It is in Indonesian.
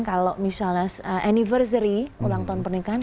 kalau misalnya anniversary ulang tahun pernikahan